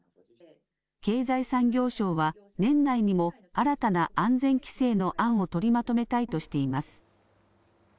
経済産業省は、年内にも新たな安全規制の案を取りまとめたいとしています。